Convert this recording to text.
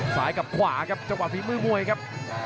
หายกับข้าก็กเจาะมชีมื้องวยครับ